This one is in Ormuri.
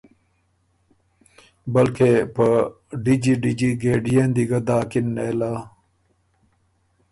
بلکې په ډِجي ډِجي ګېډيې ن دی ګۀ داکِن نېله۔